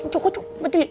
cukup cukup betul ya